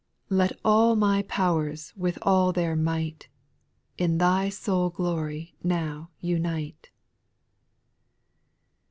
Let all my powers, with all their might, In Thy sole glory now unite.